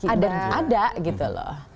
ada ada gitu loh